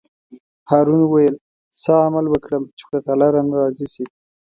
هارون وویل: څه عمل وکړم چې خدای تعالی رانه راضي شي.